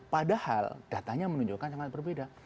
padahal datanya menunjukkan sangat berbeda